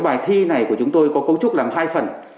bài thi này của chúng tôi có cấu trúc làm hai phần